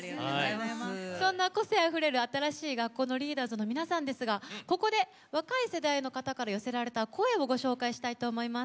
そんな個性あふれる新しい学校のリーダーズの皆さんですがここで若い世代の方から寄せられた声をご紹介したいと思います。